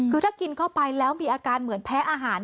คือถ้ากินเข้าไปแล้วมีอาการเหมือนแพ้อาหาร